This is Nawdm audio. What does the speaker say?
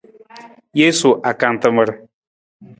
Jesu akantamar.